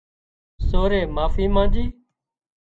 سورئي معافي مانڄي